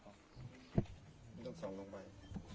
ต้องส่งลงไป